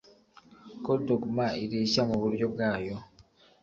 Ko dogma ireshya muburyo bwayo